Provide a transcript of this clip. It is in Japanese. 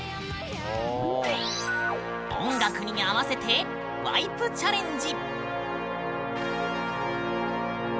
音楽に合わせてワイプチャレンジ！